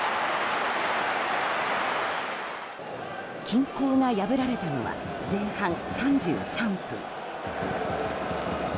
均衡が破られたのは前半３３分。